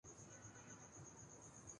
انہیں بات اچھی نہ لگی۔